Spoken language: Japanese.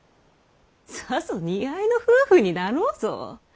さぞ似合いの夫婦になろうぞ！